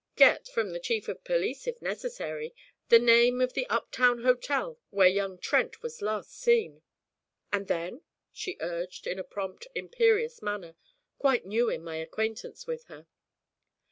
'Get, from the chief of police if necessary, the name of the up town hotel where young Trent was last seen.' 'And then?' she urged, in a prompt, imperious manner quite new in my acquaintance with her.